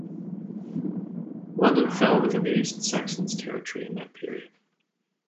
London fell within the East Saxons' territory in that period.